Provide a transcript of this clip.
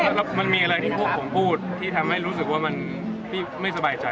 แล้วมันมีอะไรที่พวกผมพูดที่ทำให้รู้สึกว่ามันพี่ไม่สบายใจ